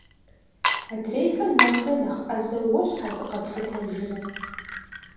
Адрейхэм нэхърэ нэхъ ӏэзэу уэ щхьэ зыкъэплъытэжрэ?